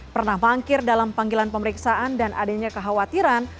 pernah mangkir dalam panggilan pemeriksaan dan adanya kekhawatiran